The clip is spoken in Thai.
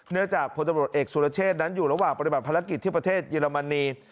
จากพลตำรวจเอกสุรเชษนั้นอยู่ระหว่างปฏิบัติภารกิจที่ประเทศเยอรมนี